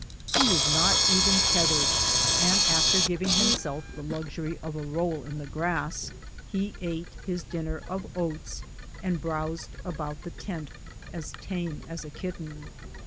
He was not even tethered, and after giv ing himself the luxury of a roll in the grass, he ate his dinner of oats, and browsed about the tent, as tame as a kitten.